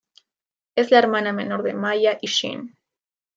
Es la hermana menor de Maya y Shin.